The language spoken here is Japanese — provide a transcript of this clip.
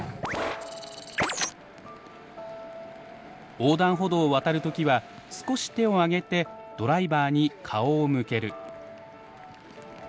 横断歩道を渡る時は少し手を上げてドライバーに顔を向ける。